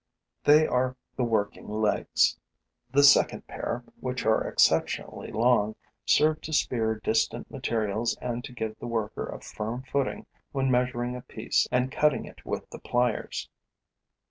They are the working legs. The second pair, which are exceptionally long, serve to spear distant materials and to give the worker a firm footing when measuring a piece and cutting it with the pliers.